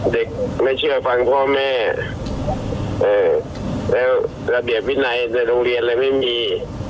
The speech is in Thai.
เด็กไม่เชื่อฟังพ่อแม่แล้วระเบียบวินัยในโรงเรียนอะไรไม่มี